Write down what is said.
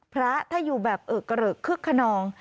พระถ้าอยู่แบบเออเกริกคึกขนอง